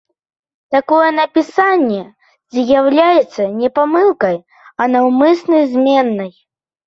Такое напісанне з'яўляецца не памылкай, а наўмыснай зменай.